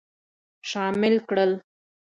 شامل کړل.